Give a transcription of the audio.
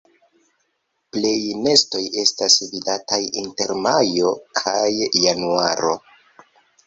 Plej nestoj estas vidataj inter majo kaj januaro.